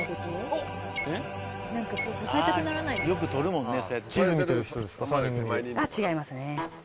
あっ違いますね。